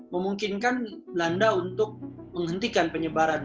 memungkinkan belanda untuk menghentikan penyebaran